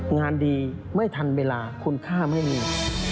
งานดีไม่ทันเวลาคุณค่าไม่มี